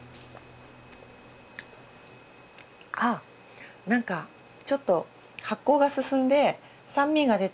あ何かちょっと発酵が進んで酸味が出て。